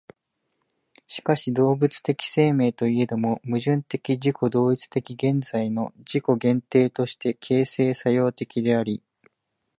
しかし動物的生命といえども、矛盾的自己同一的現在の自己限定として形成作用的であり、